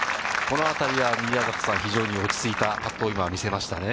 このあたりは宮里さん、非常に落ち着いたパットを今、見せましたね。